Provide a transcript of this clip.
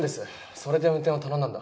それで運転を頼んだんだ。